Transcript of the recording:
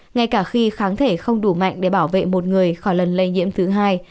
ngay cả khi kháng thể không đủ mạnh để bảo vệ một người khỏi lần lây nhiễm thứ hai